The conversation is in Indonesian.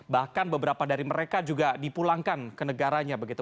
bahkan beberapa dari mereka juga dipulangkan ke negaranya begitu